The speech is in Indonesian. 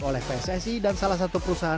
oleh pssi dan salah satu perusahaan